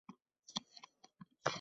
Boshida qo`rqib ketdim